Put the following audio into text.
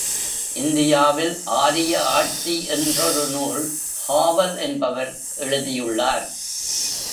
இந்தியாவில் ஆரிய ஆட்சி என்றொரு நூல் ஹாவல் என்பவர் எழுதியுள்ளார்.